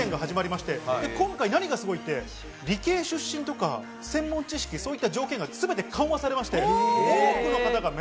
今回、何がすごいって、理系出身とか専門知識、そういった条件がすべて緩和されました。